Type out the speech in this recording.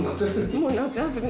もう夏休み？